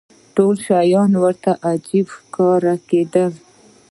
ټول شیان ورته عجیبه ښکاره کېدل.